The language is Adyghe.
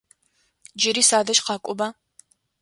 Джыри садэжь къакӏоба!